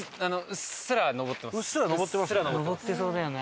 うっすら上ってますよね。